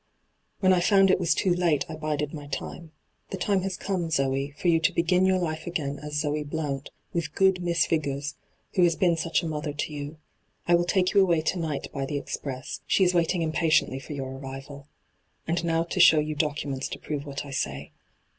When I found it was too late I bided my time. The time has come, Zoe, for you to begin your life again as Zoe Blount with good Miss Vigors, who has been such a mother to you. I will take you away to night by the express ; she is waiting impatiently for your arrival. And now to show you docu ments to prove what I say.